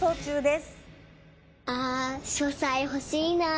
あ書斎欲しいな。